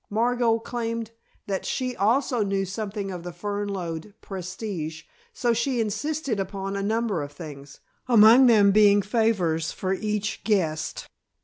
Margot claimed that she also knew something of the Fernlode prestige, so she insisted upon a number of things, among them being favors for each guest.